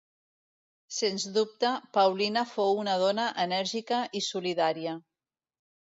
Sens dubte, Paulina fou una dona enèrgica i solidària.